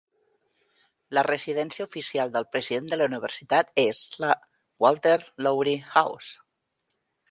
La residència oficial del president de la universitat és la Walter Lowrie House.